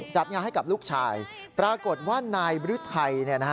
จัดงานให้กับลูกชายปรากฏว่านายบรือไทย